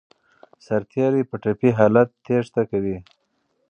سرتیري په ټپي حالت تېښته کوي.